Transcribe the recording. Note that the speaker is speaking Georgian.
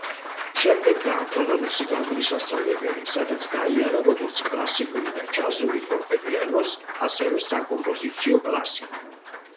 შემდეგ დაამთავრა მუსიკალური სასწავლებელი, სადაც გაიარა როგორც კლასიკური და ჯაზური ფორტეპიანოს, ასევე საკომპოზიციო კლასი.